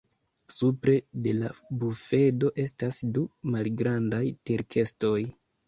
Supre de la bufedo estas du malgrandaj tirkestoj.